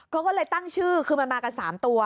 เขาก็เลยตั้งชื่อคือมันมากัน๓ตัว